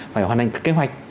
phải hoàn thành kế hoạch